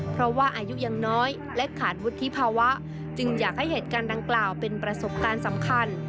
เพราะว่าอายุยังน้อยและขาดวุฒิภาวะจึงอยากให้เหตุการณ์ดังกล่าวเป็นประสบการณ์สำคัญ